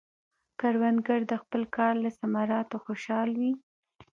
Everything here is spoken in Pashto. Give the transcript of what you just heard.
کروندګر د خپل کار له ثمراتو خوشحال وي